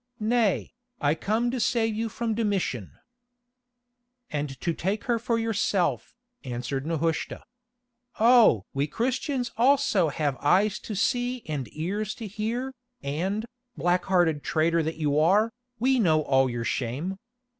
Nay, I come to save you from Domitian——" "And to take her for yourself," answered Nehushta. "Oh! we Christians also have eyes to see and ears to hear, and, black hearted traitor that you are, we know all your shame.